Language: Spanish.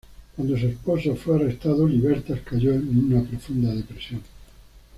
Cuando su esposo fue arrestado, Libertas cayó en una profunda depresión.